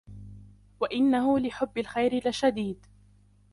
وَإِنَّهُ لِحُبِّ الْخَيْرِ لَشَدِيدٌ